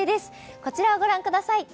こちらを御覧ください。